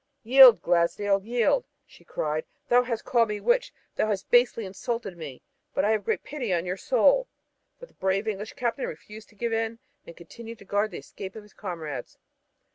"Yield, Glasdale, yield!" she cried. "Thou hast called me witch, thou hast basely insulted me, but I have great pity on your soul." But the brave English captain refused to give in and continued to guard the escape of his comrades.